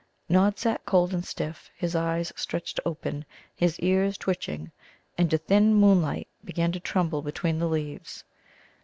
Nod sat cold and stiff, his eyes stretched open, his ears twitching. And a thin moonlight began to tremble between the leaves.